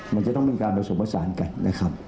มันจะต้องเป็นการอสมศาลกันนะครับ